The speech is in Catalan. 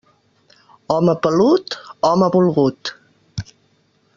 Home pelut, home volgut.